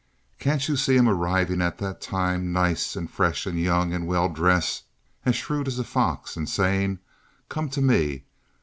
Can't you see him arriving at that time nice and fresh and young and well dressed, as shrewd as a fox, and saying: 'Come to me.